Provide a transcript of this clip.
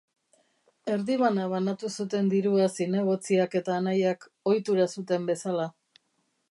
Erdibana banatu zuten dirua zinegotziak eta anaiak, ohitura zuten bezala.